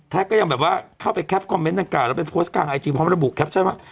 ก็ยังแบบว่าเข้าไปแคปคอมเมนต์ดังกล่าแล้วไปโพสต์กลางไอจีพร้อมระบุแคปชั่นว่า